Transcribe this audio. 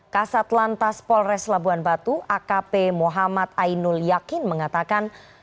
kasat lantas polres labuan batu akp muhammad ainul yakin mengatakan